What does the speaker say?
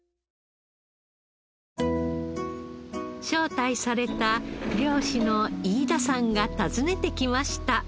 招待された漁師の飯田さんが訪ねて来ました。